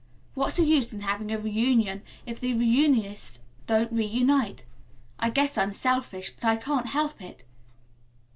What's the use in having a reunion if the reunionists don't reunite. I guess I'm selfish, but I can't help it."